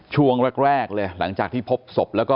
ช่วงแรกเลยหลังจากที่พบศพ